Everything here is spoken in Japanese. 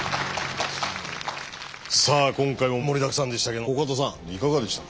さあ今回も盛りだくさんでしたけどコカドさんいかがでしたか？